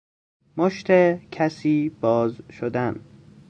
مشت کسی باز شدن